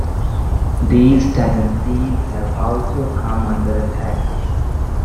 These tendencies have also come under attack.